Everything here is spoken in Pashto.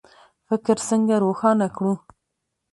فکر څنګه روښانه کړو؟